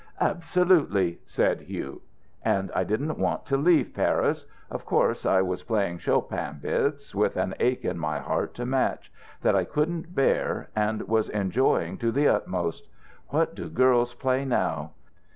"Absolutely," said Hugh. "And I didn't want to leave Paris.... Of course I was playing Chopin bits, with an ache in my heart to match, that I couldn't bear and was enjoying to the utmost. What do girls play now?